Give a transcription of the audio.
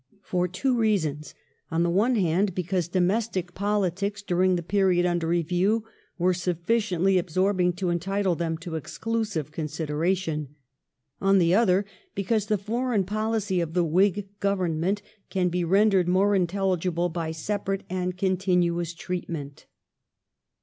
For two reasons : on the one hand, because domestic politics during the period under review were sufficiently absorbing to entitle them to exclusive consideration ; on the other, because the foreign policy of the Whig Government can be rendered more intelligible by separate and continuous treatment.